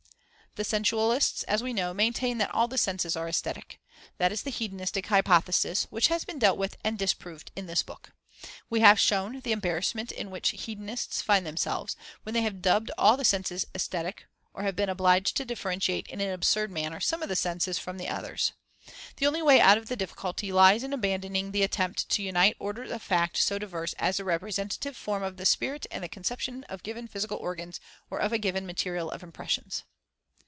The sensualists, as we know, maintain that all the senses are aesthetic. That is the hedonistic hypothesis, which has been dealt with and disproved in this book. We have shown the embarrassment in which the hedonists find themselves, when they have dubbed all the senses "aesthetic," or have been obliged to differentiate in an absurd manner some of the senses from the others. The only way out of the difficulty lies in abandoning the attempt to unite orders of facts so diverse as the representative form of the spirit and the conception of given physical organs or of a given material of impressions.